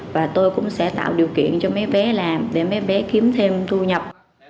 và tôi cũng sẽ tạo điều kiện cho mấy bé làm để mấy bé kiếm thêm thu nhập